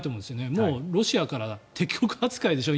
もうロシアから敵国扱いでしょ